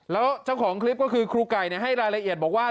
แล้วเจ้าของคลิปก็คือครูไก่ให้รายละเอียดบอกว่า